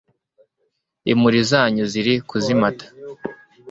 imuri zanyu ziri kuzimata